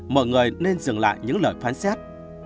mọi người nên dừng lại những lời phán xét